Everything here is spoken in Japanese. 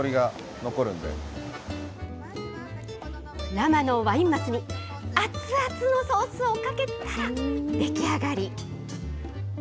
生のワイン鱒に、熱々のソースをかけたら出来上がり。